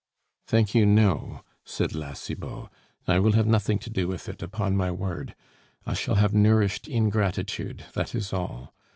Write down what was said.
"Thank you, no," said La Cibot; "I will have nothing to do with it, upon my word!... I shall have nourished ingratitude, that is all!